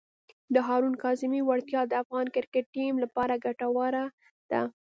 د هارون کاظمي وړتیا د افغان کرکټ ټیم لپاره ګټوره ده.